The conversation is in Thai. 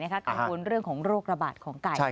กังวลเรื่องของโรคระบาดของไก่